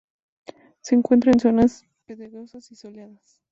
Se encuentra en zonas pedregosas y soleadas.